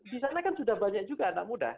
di sana kan sudah banyak juga anak muda